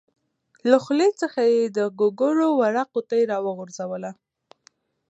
له خولې څخه به یې د ګوګړو وړه قطۍ راوغورځوله.